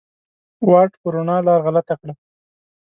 واټ په روڼا لار غلطه کړه